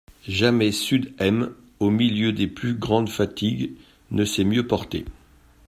Jamais sud M., au milieu des plus grandes fatigues, ne s'est mieux portée.